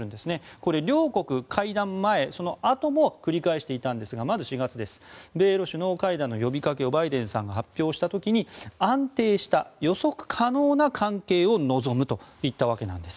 これ、両国、会談前、そのあとも繰り返していたんですがまず４月米ロ首脳会談の呼びかけをバイデンさんが発表した時に安定した予測可能な関係を望むといったわけなんです。